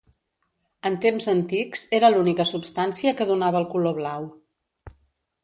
En temps antics era l'única substància que donava el color blau.